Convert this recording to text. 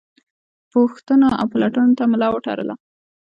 پوښتنو او پلټنو ته ملا وتړله.